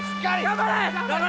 頑張れ！